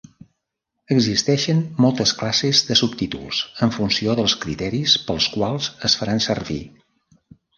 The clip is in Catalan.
Existeixen moltes classes de subtítols, en funció dels criteris pels quals es faran servir.